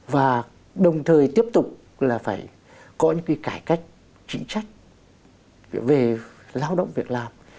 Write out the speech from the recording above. và đồng thời tiếp tục là phải có những cái cải cách trị trách về lao động việc làm